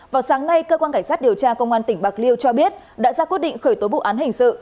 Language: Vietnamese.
vào sáng nay cơ quan cảnh sát điều tra công an tỉnh bạc liêu cho biết đã ra quyết định khởi tố vụ án hình sự